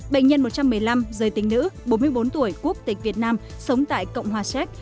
bệnh nhân một trăm một mươi năm giới tính nữ bốn mươi bốn tuổi quốc tịch việt nam sống tại cộng hòa séc